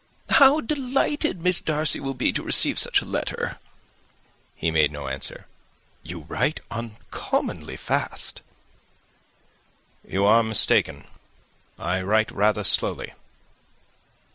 "How delighted Miss Darcy will be to receive such a letter!" He made no answer. "You write uncommonly fast." "You are mistaken. I write rather slowly."